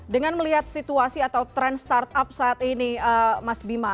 dengan melihat situasi atau tren startup saat ini mas bima